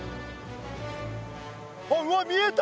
あっうわ見えた！